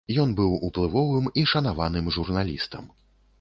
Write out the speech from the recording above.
Ён быў уплывовым і шанаваным журналістам.